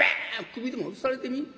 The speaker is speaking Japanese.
首でも落とされてみい。